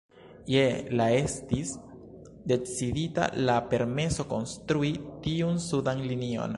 Je la estis decidita la permeso konstrui tiun sudan linion.